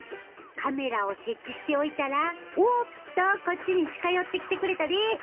カメラを設置しておいたらおっとこっちに近寄ってきてくれたで！